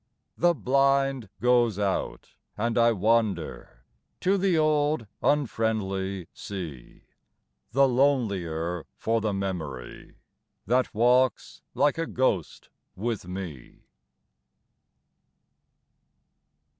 The blind goes out, and I wander To the old, unfriendly sea, The lonelier for the memory That walks like a ghost with me.